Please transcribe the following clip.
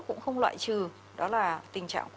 cũng không loại trừ đó là tình trạng